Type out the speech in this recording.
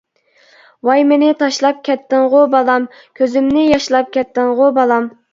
ۋاي مېنى تاشلاپ كەتتىڭغۇ بالام، كۆزۈمنى ياشلاپ كەتتىڭغۇ بالام.